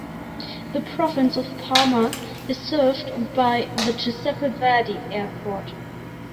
The Province of Parma is served by the Giuseppe Verdi Airport.